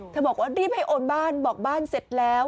บอกว่ารีบให้โอนบ้านบอกบ้านเสร็จแล้ว